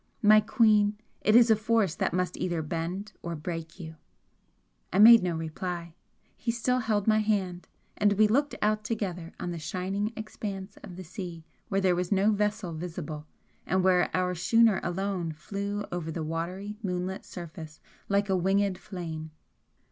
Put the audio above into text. My queen, it is a force that must either bend or break you!" I made no reply. He still held my hand, and we looked out together on the shining expanse of the sea where there was no vessel visible and where our schooner alone flew over the watery, moonlit surface like a winged flame.